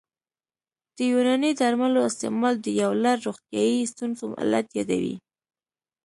د یوناني درملو استعمال د یو لړ روغتیايي ستونزو علت یادوي